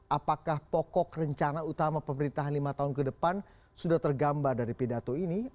apakah pokok rencana utama pemerintahan lima tahun ke depan sudah tergambar dari pidato ini